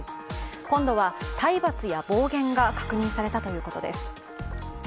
今度は体罰や暴言が確認されたということです。